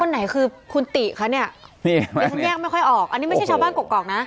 ไหนคือคุณติคะเนี่ยเดี๋ยวฉันแยกไม่ค่อยออกอันนี้ไม่ใช่ชาวบ้านกรกนะ